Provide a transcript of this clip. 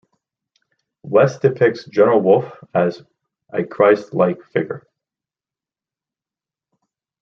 West depicts General Wolfe as a Christ-like figure.